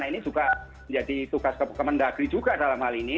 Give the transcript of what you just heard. nah ini juga menjadi tugas kemendagri juga dalam hal ini